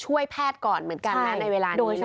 ช่วยแพทย์ก่อนเหมือนกันนะในเวลานี้นะ